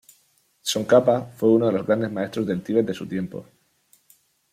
Tsongkhapa fue uno de los grandes maestros del Tíbet de su tiempo.